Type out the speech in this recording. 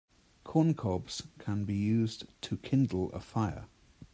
Corn cobs can be used to kindle a fire.